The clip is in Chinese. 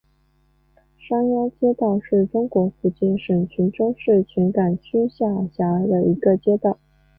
山腰街道是中国福建省泉州市泉港区下辖的一个街道。